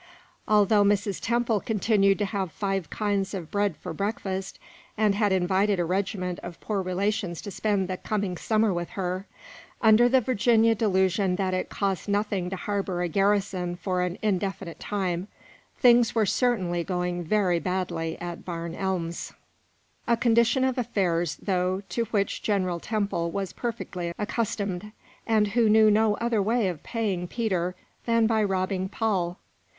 Although Mrs. Temple continued to have five kinds of bread for breakfast, and had invited a regiment of poor relations to spend the coming summer with her, under the Virginia delusion that it costs nothing to harbor a garrison for an indefinite time, things were certainly going very badly at Barn Elms; a condition of affairs, though, to which General Temple was perfectly accustomed, and who knew no other way of paying Peter than by robbing Paul.